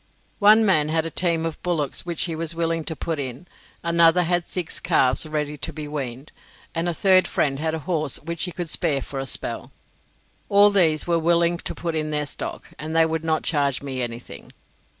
One man had a team of bullocks which he was willing to put in; another had six calves ready to be weaned; and a third friend had a horse which he could spare for a spell. All these were willing to put in their stock, and they would not charge me anything.